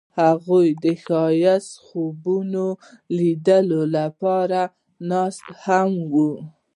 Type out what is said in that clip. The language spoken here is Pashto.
هغوی د ښایسته خوبونو د لیدلو لپاره ناست هم وو.